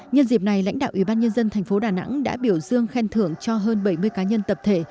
nhân dịp này lãnh đạo ủy ban nhân dân thành phố đà nẵng đã biểu dương khen thưởng cho hơn bảy mươi cá nhân tập thể